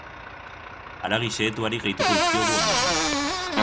Haragi xehetuari gehituko dizkiogu ondoren.